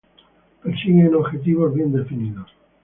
Persiguen objetivos bien definidos.